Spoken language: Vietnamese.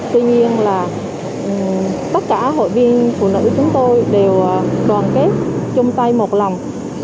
tuy nhiên là tất cả hội viên phụ nữ chúng tôi đều đoàn kết chung tay một lòng